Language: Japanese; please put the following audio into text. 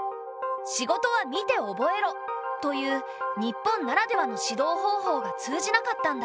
「仕事は見て覚えろ」という日本ならではの指導方法が通じなかったんだ。